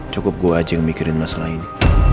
cukup gue aja yang mikirin masalah ini